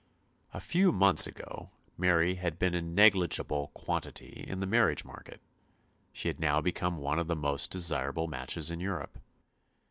A few months ago Mary had been a negligible quantity in the marriage market; she had now become one of the most desirable matches in Europe.